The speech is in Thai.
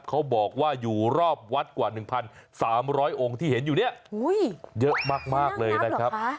เขาบอกว่าอยู่รอบวัดกว่า๑๓๐๐องค์ที่เห็นอยู่เนี่ยเยอะมากเลยนะครับ